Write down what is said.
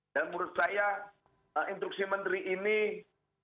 dan menurut saya instruksi menteri ini harus dikajukan